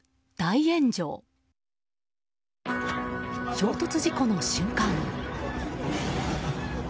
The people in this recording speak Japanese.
衝突事故の瞬間。